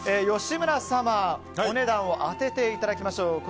吉村様、お値段を当てていただきましょう。